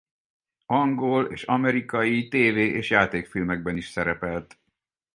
Angol és amerikai tévé- és játékfilmekben is szerepelt.